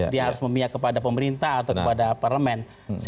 dia harus memihak kepada pemerintah atau kepada parlemen